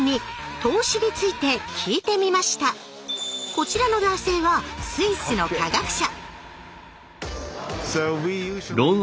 こちらの男性はスイスの科学者